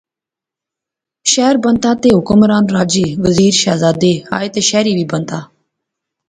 شہر بنتا تہ حکمران راجے، وزیر، شہزادے آئے تہ شہر وی بنتا